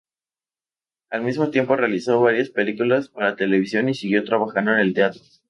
Al mismo tiempo realizó varias películas para televisión y siguió trabajando en el teatro.